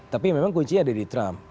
tapi memang kuncinya ada di trump